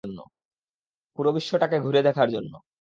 পুরো বিশ্বটাকে ঘুরে দেখার জন্য।